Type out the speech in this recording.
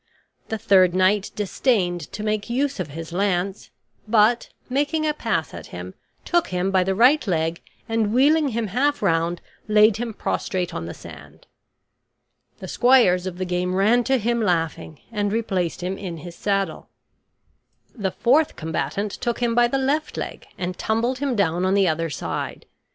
The third knight disdained to make use of his lance; but, making a pass at him, took him by the right leg and, wheeling him half round, laid him prostrate on the sand. The squires of the game ran to him laughing, and replaced him in his saddle. The fourth combatant took him by the left leg, and tumbled him down on the other side.